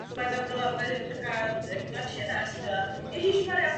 Při kladení základního kamene výrazně pomáhal smíšený pěvecký sbor místní Volné myšlenky.